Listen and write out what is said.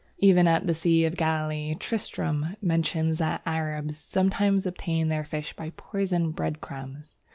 _ Even at the Sea of Galilee, Tristram mentions that Arabs sometimes obtain their fish by poisoned bread crumbs.